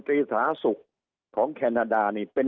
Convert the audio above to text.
สุดท้ายก็ต้านไม่อยู่